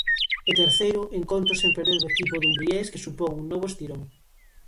E terceiro encontro sen perder do equipo dumbriés que supón un novo estirón.